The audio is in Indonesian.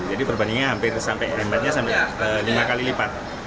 jadi berbandingnya hampir sampai lima kali lipat